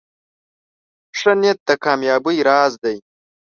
ښه نیت د کامیابۍ راز دی.